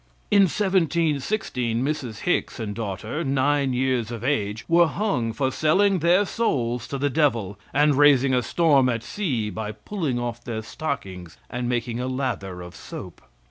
In 1716 Mrs. Hicks and daughter, nine years of age, were hung for selling their souls to the devil; and raising a storm at sea by pulling off their stockings and making a lather of soap.